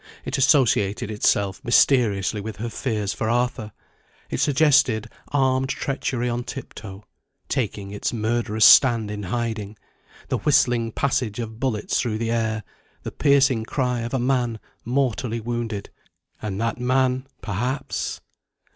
It associated itself mysteriously with her fears for Arthur; it suggested armed treachery on tiptoe, taking its murderous stand in hiding; the whistling passage of bullets through the air; the piercing cry of a man mortally wounded, and that man, perhaps